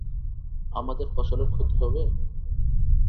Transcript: আমাদের ফসলের ক্ষতি হবে?